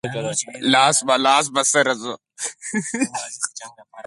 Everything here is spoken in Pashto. لاس په لاس به سره ځو.